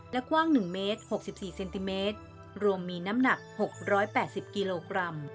และกว้าง๑เมตร๖๔เซนติเมตรรวมมีน้ำหนัก๖๘๐กิโลกรัม